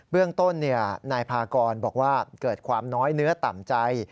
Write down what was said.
เรื่องต้นนายพากรบอกว่าเกิดความน้อยเนื้อต่ำใจ